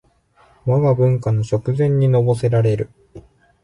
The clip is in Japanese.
わが文化の食膳にのぼせられる